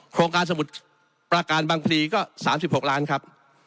โครงการสมุทรประการบางพลีก็๓๖ล้านครับ